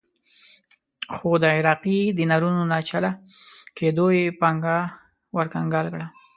خو د عراقي دینارونو ناچله کېدو یې پانګه ورکنګال کړه.